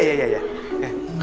ini berarti abun ya